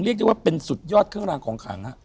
เรียกได้ว่าเป็นสุดยอดเครื่องรางของขังฮะ